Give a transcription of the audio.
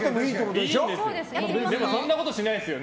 でもそんなことしないんですよね。